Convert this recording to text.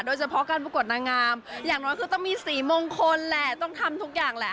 โดยเฉพาะการประกวดนางงามอย่างน้อยคือต้องมีสีมงคลแหละต้องทำทุกอย่างแหละ